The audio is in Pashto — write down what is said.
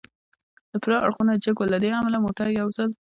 د پله اړخونه جګ و، له دې امله موټر یو ځل.